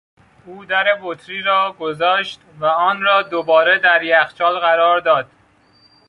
او در بطری را گذاشت و آن را دوباره در یخچال قرار داد.